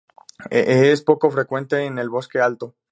Es poco frecuente en el bosque alto.